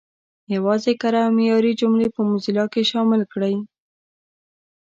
یوازې کره او معیاري جملې په موزیلا کې شامل کړئ.